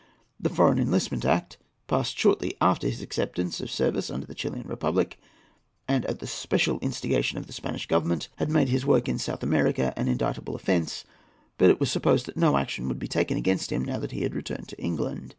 The Foreign Enlistment Act, passed shortly after his acceptance of service under the Chilian Republic, and at the special instigation of the Spanish Government, had made his work in South America an indictable offence; but it was supposed that no action would be taken against him now that he had returned to England.